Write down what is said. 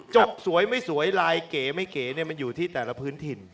จบสวยไม่สวยลายเก๋ไม่เก๋มันอยู่ที่แต่ละพื้นถิ่น